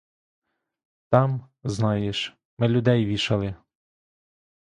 Там, знаєш, ми людей вішали.